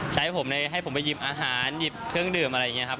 ให้ผมเลยให้ผมไปหยิบอาหารหยิบเครื่องดื่มอะไรอย่างนี้ครับ